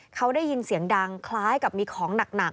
เขาได้ยินเสียงดังคล้ายกับมีของหนัก